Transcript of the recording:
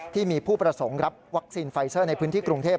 ที่มีผู้ประสงค์รับวัคซีนไฟเซอร์ในพื้นที่กรุงเทพ